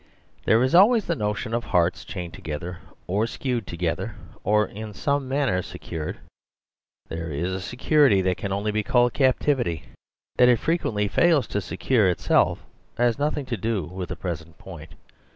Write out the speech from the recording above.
There is always the notion of hearts chained to? gethcr, or skewered together, or in some man ner secured ; there is a security that can only be called captivity. That it frequently fails to secure itself has nothing to do with the present point.